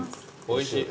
おいしい！